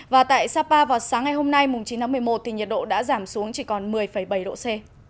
và tại sapa vào sáng ngày hôm nay chín tháng một mươi một thì nhiệt độ đã giảm xuống chỉ còn một mươi bảy độ c